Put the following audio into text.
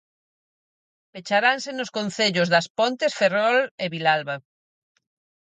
Pecharanse nos concellos das Pontes, Ferrol e Vilalba.